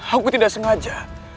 aku tidak sengaja